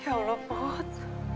ya allah put